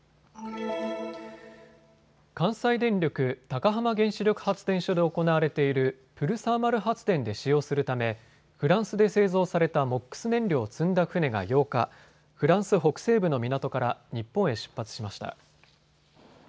関西電力高浜原子力発電所で行われているプルサーマル発電で使用するためフランスで製造されたＭＯＸ燃料を積んだ船が８日、フランス北西部の港から日本へ出発しました。